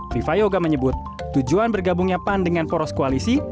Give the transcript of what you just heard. viva yoga menyebut tujuan bergabungnya pan dengan poros koalisi